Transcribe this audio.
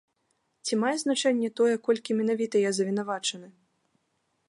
Ці мае значэнне тое, колькі менавіта я завінавачаны?